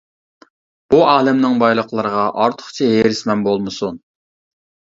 بۇ ئالەمنىڭ بايلىقلىرىغا ئارتۇقچە ھېرىسمەن بولمىسۇن!